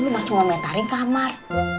masih mau mentaring kamar